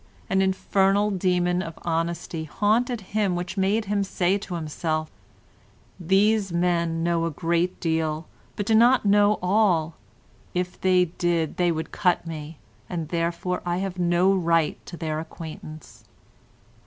An infernal demon of honesty haunted him which made him say to himself: "These men know a great deal, but do not know all—if they did they would cut me—and therefore I have no right to their acquaintance."